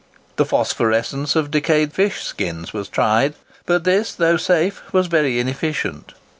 The phosphorescence of decayed fish skins was tried; but this, though safe, was very inefficient.